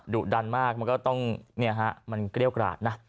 ดุดันมากมันก็ต้องมันเกรี้ยวกราดนะ